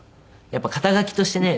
やっぱり肩書としてね